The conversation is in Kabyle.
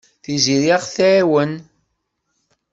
Tiziri ad aɣ-tɛawen.